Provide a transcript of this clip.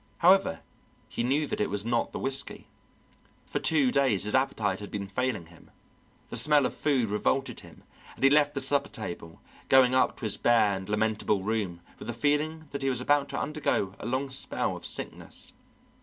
However, he knew that it was not the whisky. For two days his appetite had been failing him. The smell of food revolted him, and he left the supper table, going up to his bare and lamentable room with the feeling that he was about to undergo a long spell of sickness.